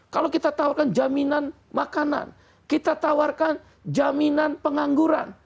kalau kita tawarkan jaminan makanan kita tawarkan jaminan pengangguran